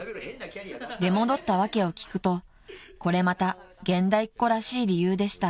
［出戻った訳を聞くとこれまた現代っ子らしい理由でした］